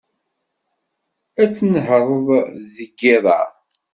Ad tnehṛeḍ deg yiḍ-a?